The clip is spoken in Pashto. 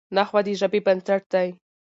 نحوه د ژبي بنسټ دئ.